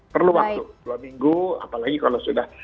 perlu waktu dua minggu apalagi kalau sudah